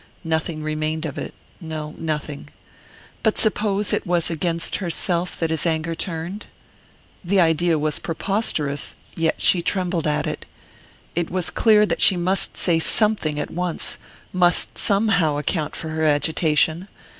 Nothing remained of it no, nothing. But suppose it was against herself that his anger turned? The idea was preposterous, yet she trembled at it. It was clear that she must say something at once must somehow account for her agitation.